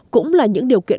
cũng là những điều kiện